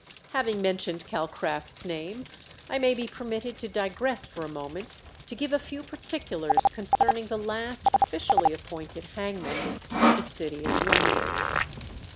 Having mentioned Calcraft's name, I may be permitted to digress for a moment to give a few particulars concerning the last officially appointed hangman of the city of London.